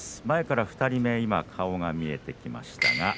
前から２人目顔が見えてきました。